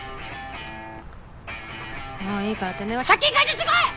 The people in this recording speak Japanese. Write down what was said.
もういいからてめぇは借金回収してこい！